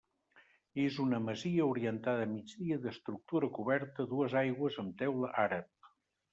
És una masia orientada a migdia d'estructura coberta a dues aigües amb teula àrab.